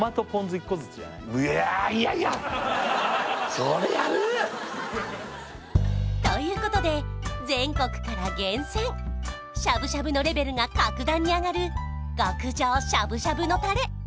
今日だけどいやということで全国から厳選しゃぶしゃぶのレベルが格段に上がる極上しゃぶしゃぶのタレ